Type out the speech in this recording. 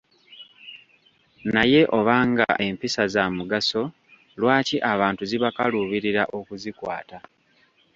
Naye obanga empisa za mugaso lwaki abantu zibakaluubirira okuzikwata.